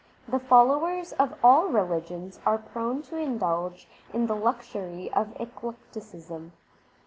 The followers of all religions are prone to indulge in the luxury of eclecticism.